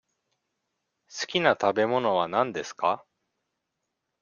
すきな食べ物は何ですか。